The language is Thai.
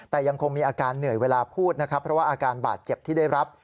แต่ยังคงมีอาการเหนื่อยเวลาพูดนะครับเพราะว่าอาการบาดเจ็บที่ได้รับ